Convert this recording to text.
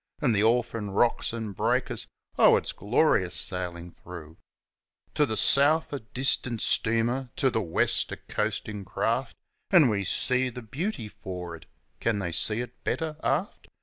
An' the orphan rocks an' breakers oh, it's glorious sailin' through ! To the south a distant steamer, to the west a coastin' craft, An' we see the beauty for'ard can they see it better aft?